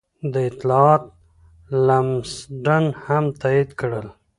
دا اطلاعات لمسډن هم تایید کړل.